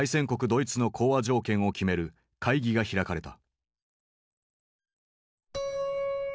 ドイツの講和条件を決める会議が開かれた。